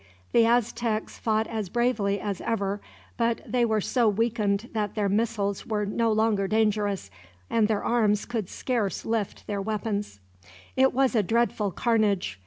The Aztecs fought as bravely as ever; but they were so weakened that their missiles were no longer dangerous, and their arms could scarce lift their weapons. It was a dreadful carnage.